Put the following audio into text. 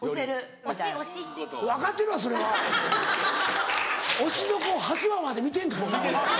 『推しの子』８話まで見てんからな俺。